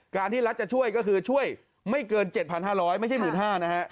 การที่รัฐจะช่วยก็คือช่วยไม่เกินเจ็ดพันห้าร้อยไม่ใช่หมื่นห้านะฮะ